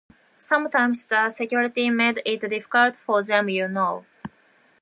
Sometimes the security made it difficult for them, you know.